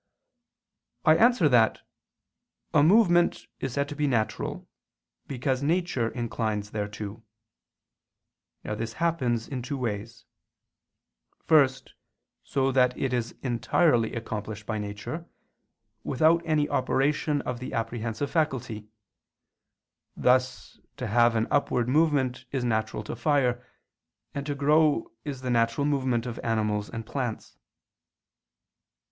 I answer that, A movement is said to be natural, because nature inclines thereto. Now this happens in two ways. First, so that it is entirely accomplished by nature, without any operation of the apprehensive faculty: thus to have an upward movement is natural to fire, and to grow is the natural movement of animals and plants.